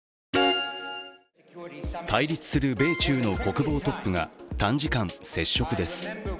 対立する米中の国防トップが、短時間接触です。